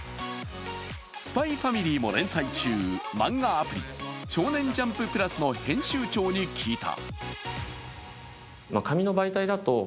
「ＳＰＹ×ＦＡＭＩＬＹ」も連載中、漫画アプリ、少年ジャンプ・プラスの編集長に聞いた。